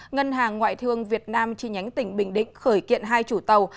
ngân hàng ngoại thương việt nam chi nhánh tỉnh bình định khởi kiện hai chủ tàu